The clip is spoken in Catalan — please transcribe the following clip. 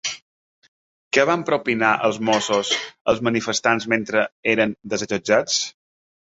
Què van propinar als Mossos els manifestants mentre eren desallotjats?